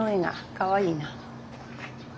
かわいいな。